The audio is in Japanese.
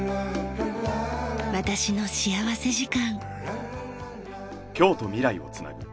『私の幸福時間』。